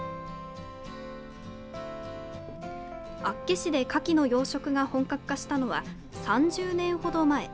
厚岸でカキの養殖が本格化したのは、３０年程前。